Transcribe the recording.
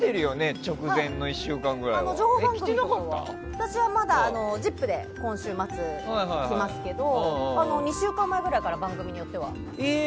私は「ＺＩＰ！」で今週末着ますけど２週間前ぐらいから番組によっては。えー！